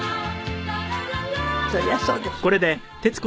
そりゃそうでしょうね。